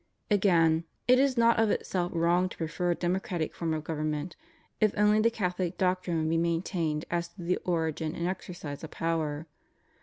Again, it is not of itself wrong to prefer a democratic fonn of government, if only the Catholic doctrine be maintained as to the origin and exercise of power.